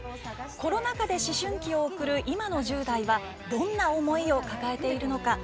コロナ禍で思春期を送る今の１０代はどんな思いを抱えているのか。